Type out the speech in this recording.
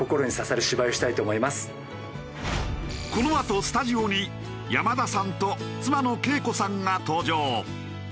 このあとスタジオに山田さんと妻の圭子さんが登場。